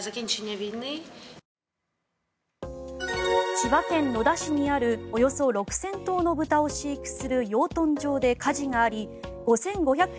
千葉県野田市にあるおよそ６０００頭の豚を飼育する養豚場で火事があり５５００